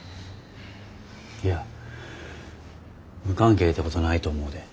いや無関係てことないと思うで。